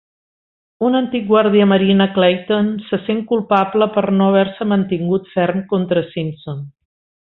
Un antic guàrdiamarina, Clayton, se sent culpable per no haver-se mantingut ferm contra Simpson.